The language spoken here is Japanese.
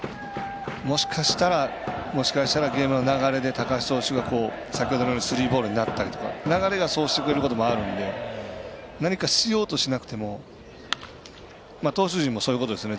もしかしたらゲームの流れで高橋投手が先ほどのようにスリーボールになったりとか流れがそうしてくれることもあるので何かしようとしなくても投手陣もそういうことですよね。